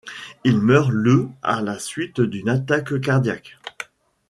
Il meurt le à la suite d'une attaque cardiaque.